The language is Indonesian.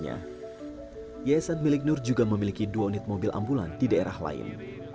yayasan milik nur juga memiliki dua unit mobil ambulan di daerah lain